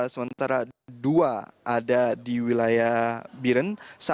sementara dua ada di wilayah biren